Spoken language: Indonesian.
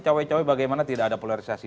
cawe cawe bagaimana tidak ada polarisasi